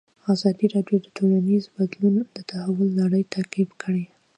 ازادي راډیو د ټولنیز بدلون د تحول لړۍ تعقیب کړې.